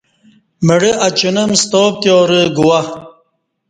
مڑہ اچونم ستا پتیارہ گوا